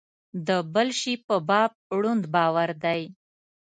د بل شي په باب ړوند باور دی.